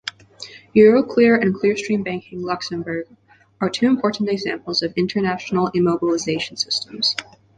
Euroclear and Clearstream Banking, Luxembourg are two important examples of international immobilisation systems.